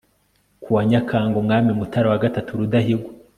kuwa nyakanga , umwami mutara iii rudahigwa